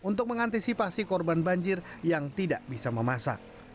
untuk mengantisipasi korban banjir yang tidak bisa memasak